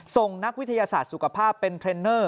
ส่งนักวิทยาศาสตร์สุขภาพเป็นเทรนเนอร์